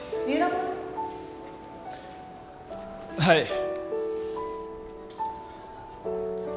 はい。